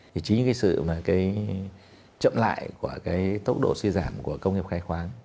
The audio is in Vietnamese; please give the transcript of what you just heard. thì chính những cái sự mà cái chậm lại của cái tốc độ suy giảm của công nghiệp khai khoáng